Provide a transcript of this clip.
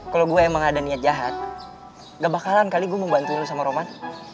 kalo gue emang ada niat jahat gak bakalan kali gue mau bantu lo sama roman